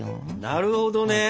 なるほどね。